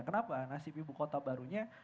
kenapa nasib ibu kota barunya